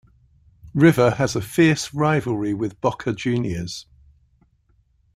River has a fierce rivalry with Boca Juniors.